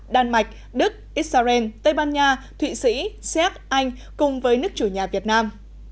đan mạch đức israel tây ban nha thụy sĩ xét anh cùng với nước chủ nhà việt nam